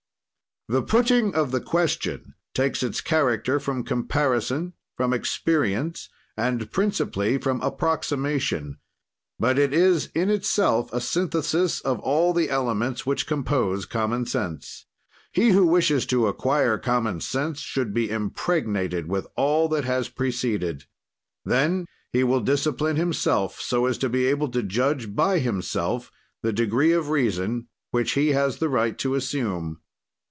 The putting of the question takes its character from comparison, from experience, and principally from approximation; but it is in itself a synthesis of all the elements which compose common sense. He who wishes to acquire common sense should be impregnated with all that has preceded. Then he will discipline himself, so as to be able to judge, by himself, of the degree of reason which he has the right to assume.